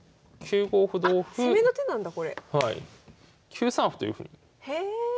９三歩というふうにへえ。